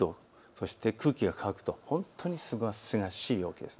そして空気が乾くと本当にすがすがしい陽気です。